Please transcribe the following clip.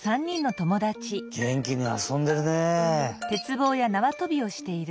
げんきにあそんでるね！